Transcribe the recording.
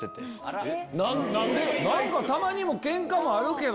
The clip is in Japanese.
「たまにケンカもあるけど」